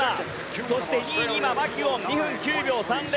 そして、２位にマキュオン２分９秒３０。